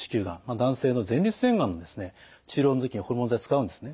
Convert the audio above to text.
男性の前立腺がんの治療の時にホルモン剤使うんですね。